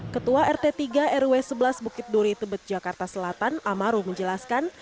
ketua rt tiga rw sebelas bukit duri tebet jakarta selatan amaru menjelaskan